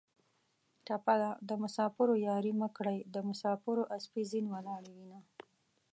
ټپه ده: د مسافرو یارۍ مه کړئ د مسافرو اسپې زین ولاړې وینه